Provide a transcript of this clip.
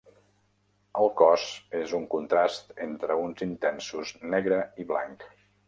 El cos és un contrast entre uns intensos negre i blanc.